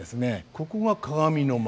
ここが鏡の間。